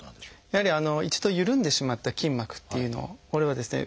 やはり一度ゆるんでしまった筋膜っていうのをこれをですね